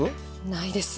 ないです。